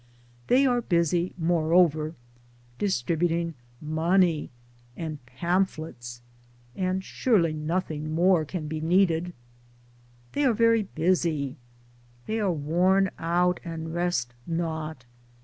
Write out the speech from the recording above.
They are busy moreover distributing money and pamph lets : and surely nothing more can be needed. They are very busy. They are worn out and rest not.